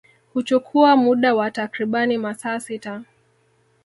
Huchukua muda wa takribani masaa sita